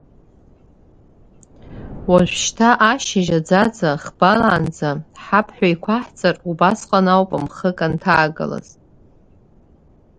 Уажәшьҭа, ашьыжь аӡаӡа хбалаанӡа ҳаԥҳә еиқәаҳҵар, убасҟан ауп мхык анҭаагалаз!